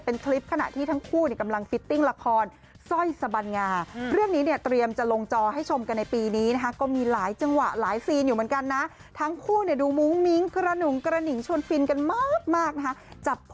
เป็นคลิปขณะที่ทั้งคู่กำลังฟิตติ้งละครสร้อยสบัญญา